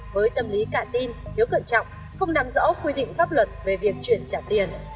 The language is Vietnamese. với tâm lý cạn tin hiếu cẩn trọng không nằm rõ quy định pháp luật về việc truyền trả tiền